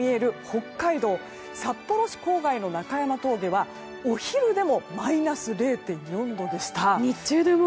北海道札幌市郊外の中山峠はお昼でもマイナス０．４度でした。